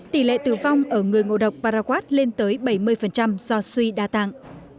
tỷ lệ tử vong ở người ngộ độc paraquat lên tới bảy mươi do suy đa tạng